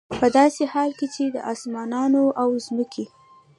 په داسي حال كي چي د آسمانونو او زمكي